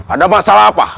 ada masalah apa